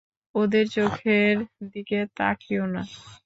ওদের চোখের দিকে তাকিয়ো না।